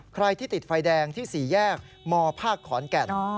ใครที่ติดไฟแดงที่๔แยกมภาคขอนแก่น